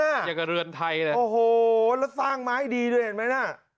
เกี่ยวกับเรือนไทยเลยโอ้โหแล้วสร้างไม้ดีด้วยเห็นไหมน่ะ